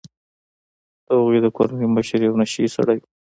د هغوی د کورنۍ مشر یو نشه يي سړی و.